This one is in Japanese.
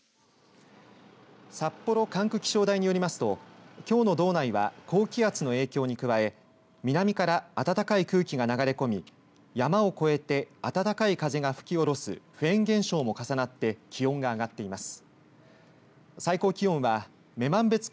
札幌管区気象台によりますときょうの道内は高気圧の影響に加え南から暖かい空気が流れ込み山を越えて暖かい風が吹き降ろすフェーン現象も重なって気温が上がっています。